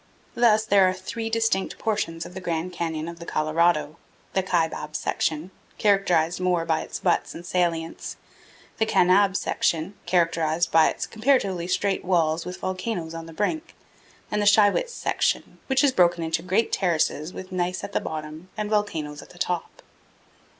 Thus there are three distinct portions of the Grand Canyon of the Colorado: the Kaibab section, characterized more by its buttes and salients; the Kanab section, characterized by its comparatively straight walls with volcanoes on the brink; and the Shiwits section, which is broken into great terraces with gneiss at the bottom and volcanoes at the top.